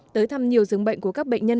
tới thăm nhiều dưỡng bệnh của các bệnh nhân